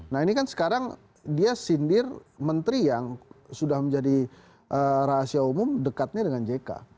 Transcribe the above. nah ini kan sekarang dia sindir menteri yang sudah menjadi rahasia umum dekatnya dengan jk